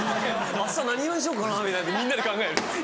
明日何色にしようかなみたいなみんなで考える。